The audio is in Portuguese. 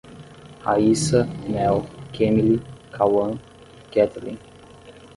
Raíça, Mel, Kemily, Kawan e Ketelen